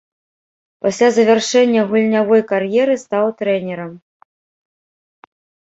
Пасля завяршэння гульнявой кар'еры стаў трэнерам.